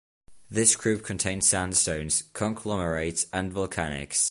This group contains sandstones, conglomerates, and volcanics.